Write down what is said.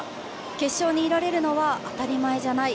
決勝にいられるのは当たり前じゃない。